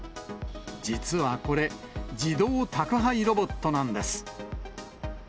実はこれ、自動宅配ロボットなんです。